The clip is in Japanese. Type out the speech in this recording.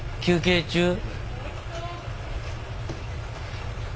休憩中？